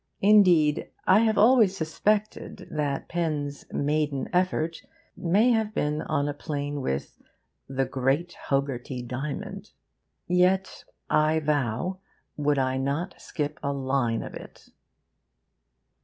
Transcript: Indeed, I have always suspected that Pen's maiden effort may have been on a plane with 'The Great Hoggarty Diamond.' Yet I vow would I not skip a line of it.